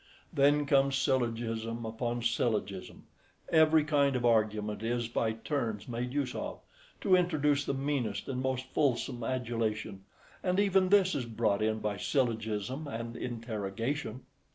Then comes syllogism upon syllogism; every kind of argument is by turns made use of, to introduce the meanest and most fulsome adulation; and even this is brought in by syllogism and interrogation.